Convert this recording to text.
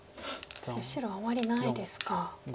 白あまりないですか。